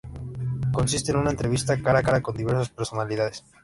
Consiste en una entrevista cara a cara con diversas personalidades.